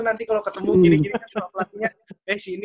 nanti kalau ketemu gini gini kan sama pelatunya